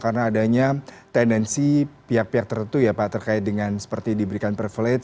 karena adanya tendensi pihak pihak tertutup ya pak terkait dengan seperti diberikan perflate